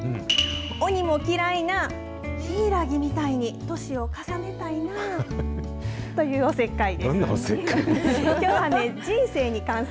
鬼も嫌いなヒイラギみたいに、年を重ねたいなぁ。というおせっかいです。